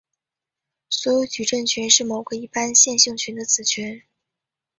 所有矩阵群是某个一般线性群的子群。